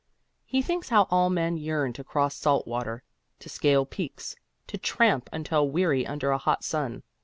He thinks how all men yearn to cross salt water, to scale peaks, to tramp until weary under a hot sun.